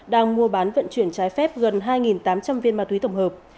đang mua bán vận chuyển trái phép gần hai tám trăm linh viên ma túy tổng hợp